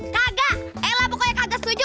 kagak ela pokoknya kagak setuju